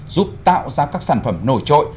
giúp tạo ra các sản phẩm nổi trội